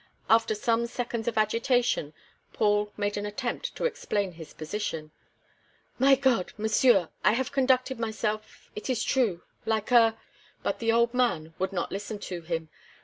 After some seconds of agitation, Paul made an attempt to explain his position. "My God! Monsieur I have conducted myself it is true like a " But the old man would not listen to him.